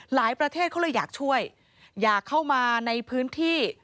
ประเทศเขาเลยอยากช่วยอยากเข้ามาในพื้นที่